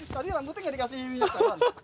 tadi rambutnya nggak dikasih